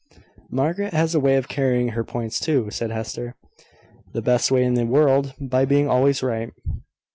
"Margaret has a way of carrying her points too," said Hester: "the best way in the world by being always right."